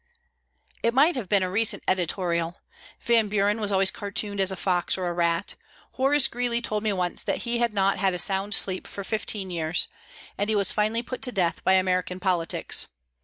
It might have been a recent editorial. Van Buren was always cartooned as a fox or a rat. Horace Greeley told me once that he had not had a sound sleep for fifteen years, and he was finally put to death by American politics.